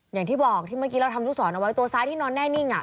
อย่างที่บอกที่เมื่อกี้เราทำลูกศรเอาไว้ตัวซ้ายที่นอนแน่นิ่ง